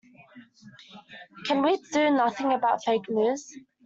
Can we do nothing about fake news?